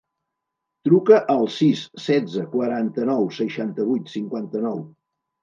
Truca al sis, setze, quaranta-nou, seixanta-vuit, cinquanta-nou.